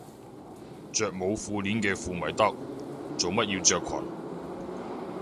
着冇褲鏈嘅褲咪得，做乜要着裙